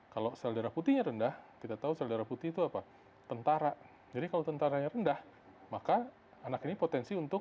kalau sel darah putihnya rendah kita tahu sel darah putih itu apa tentara jadi kalau tentaranya rendah maka anak ini potensi untuk